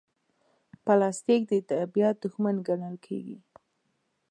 پلاستيک د طبیعت دښمن ګڼل کېږي.